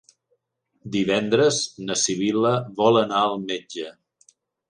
Divendres na Sibil·la vol anar al metge.